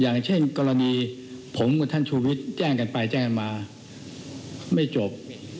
อย่างเช่นกรณีผมกับท่านชูวิทย์แจ้งกันไปแจ้งกันมาไม่จบ